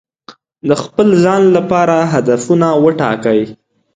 د خپل ځان لپاره هدفونه وټاکئ.